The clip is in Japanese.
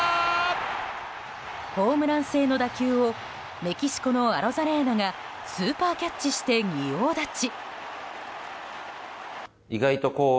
ホームラン性の打球をメキシコのアロザレーナがスーパーキャッチして仁王立ち。